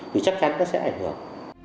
thì chắc chắn nó sẽ ảnh hưởng